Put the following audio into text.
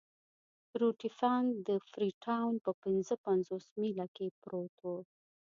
روټي فنک د فري ټاون په پنځه پنځوس میله کې پروت وو.